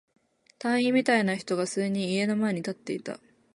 隊員みたいな人が数人、家の前に立っていた。